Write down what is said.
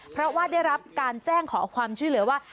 เพราะว่าได้รับการแจ้งขอความช่วยเหลือว่า